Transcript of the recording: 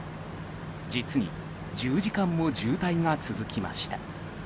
実に１０時間も渋滞が続きました。